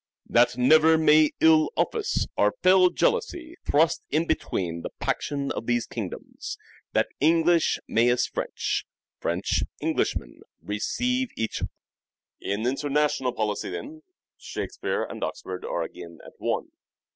" That never may ill office, or fell jealousy Thrust in between the paction of these kingdoms. That English may as French, French Englishmen Receive each other." In international policy, then, Shakespeare and Oxford are again at one.